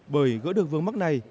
bởi gỡ được vướng mắt này